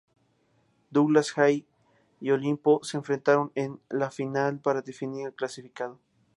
Douglas Haig y Olimpo se enfrentaron en la final para definir al clasificado.